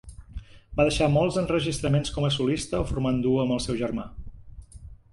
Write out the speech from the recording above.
Va deixar molts enregistraments com a solista o formant duo amb el seu germà.